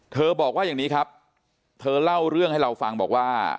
บอกว่าอย่างนี้ครับเธอเล่าเรื่องให้เราฟังบอกว่า